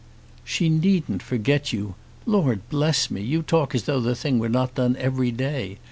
"She needn't forget you. Lord bless me! you talk as though the thing were not done every day.